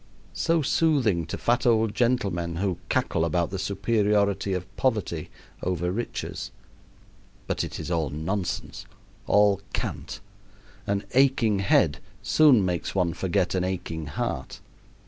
so soothing to fat old gentlemen who cackle about the superiority of poverty over riches. But it is all nonsense all cant. An aching head soon makes one forget an aching heart.